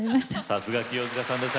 さすが清塚さんです。